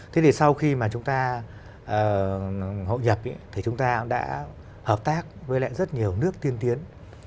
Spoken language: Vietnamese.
thế thì sau khi mà chúng ta hội nhập thì chúng ta đã hợp tác với lại rất nhiều nước tiên tiến